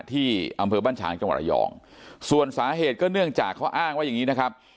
ที่อำเภอบ้านฉางจังหวัดระยองส่วนสาเหตุก็เนื่องจากเขาอ้างว่าอย่างนี้นะครับ